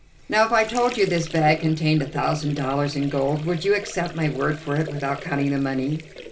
Now, if I told you this bag contained a thousand dollars in gold, would you accept my word for it without counting the money?"